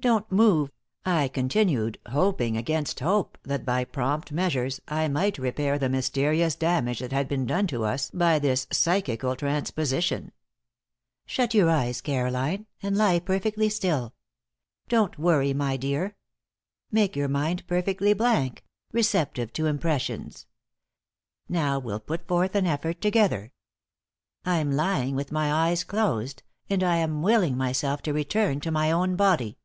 "Don't move," I continued, hoping against hope that by prompt measures I might repair the mysterious damage that had been done to us by this psychical transposition. "Shut your eyes, Caroline, and lie perfectly still. Don't worry, my dear. Make your mind perfectly blank receptive to impressions. Now, we'll put forth an effort together. I'm lying with my eyes closed, and I am willing myself to return to my own body.